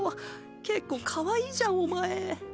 けっこうかわいいじゃんお前。